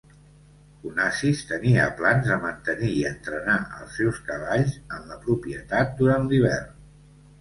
Onassis tenia plans de mantenir i entrenar els seus cavalls en la propietat durant l'hivern.